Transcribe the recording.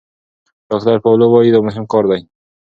ډاکتر پاولو وايي دا مهم کار دی.